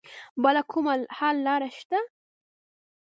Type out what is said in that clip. بله کومه حل لاره شته